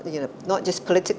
bukan hanya dari sisi politik